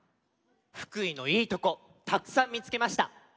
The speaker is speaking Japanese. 福井のいいとこたくさんみつけました。